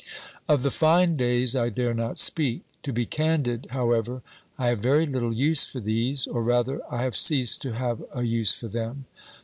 Of the fine days I dare not speak. To be candid, however, I have very little use for these, or rather, I have ceased to have a use for them.